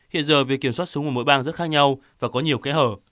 hiện giờ việc kiểm soát súng của mỗi bang rất khác nhau và có nhiều kẻ hở